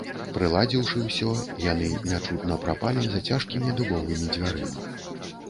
Прыладзіўшы ўсё, яны нячутна прапалі за цяжкімі дубовымі дзвярыма.